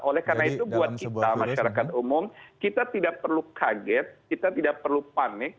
oleh karena itu buat kita masyarakat umum kita tidak perlu kaget kita tidak perlu panik